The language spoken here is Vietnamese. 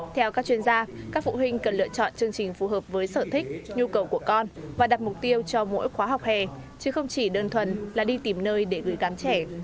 theo các chuyên gia các phụ huynh cần lựa chọn chương trình phù hợp với sở thích nhu cầu của con và đặt mục tiêu cho mỗi khóa học hè chứ không chỉ đơn thuần là đi tìm nơi để gửi gắm trẻ